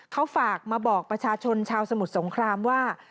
เขาฝากมาบอกประชาชนชาวสมุทรสงครามว่า